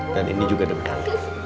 dan ini juga dekat